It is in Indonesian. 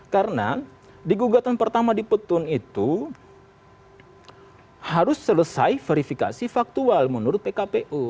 karena di gugatan pertama di petun itu harus selesai verifikasi faktual menurut pkpu